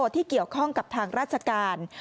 ที่เกี่ยวข้องกับทางราชการ